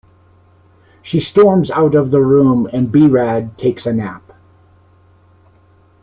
She storms out of the room and B-Rad takes a nap.